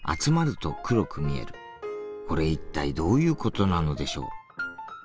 これ一体どういうことなのでしょう？